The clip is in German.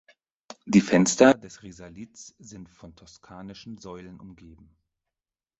Die Fenster des Risalits sind von toskanischen Säulen umgeben.